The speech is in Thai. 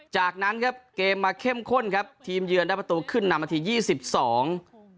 จากนั้นครับเกมมาเข้มข้นครับทีมเยือนได้ประตูขึ้นนำนาทียี่สิบสอง